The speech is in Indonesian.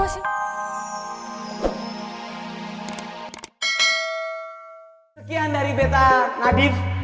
sekian dari beta nadif